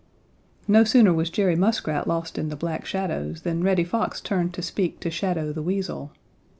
No sooner was Jerry Muskrat lost in the black shadows than Reddy Fox turned to speak to Shadow the Weasel.